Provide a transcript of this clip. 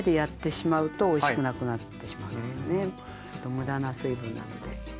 無駄な水分なので。